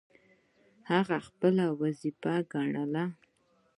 خپله وظیفه ګڼله.